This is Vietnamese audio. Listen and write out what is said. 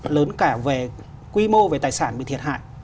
lớn cả về quy mô về tài sản bị thiệt hại